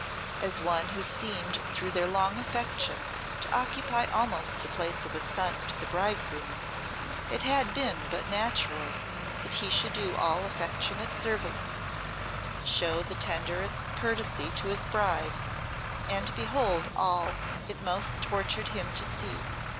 As one who seemed through their long affection to occupy almost the place of a son to the bridegroom, it had been but natural that he should do him all affectionate service, show the tenderest courtesy to his bride, and behold all it most tortured him to see.